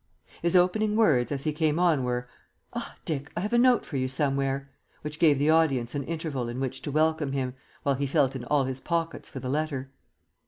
His opening words, as he came on, were, "Ah, Dick, I have a note for you somewhere," which gave the audience an interval in which to welcome him, while he felt in all his pockets for the letter.